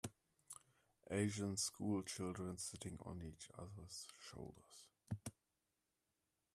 Asian school children sitting on each others shoulders.